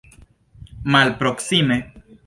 malproksime